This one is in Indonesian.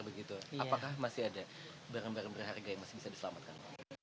apakah masih ada barang barang berharga yang masih bisa diselamatkan